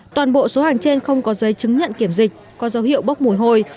toàn bộ số hàng trên không có giấy chứng nhận kiểm dịch có dấu hiệu bốc mùi hôi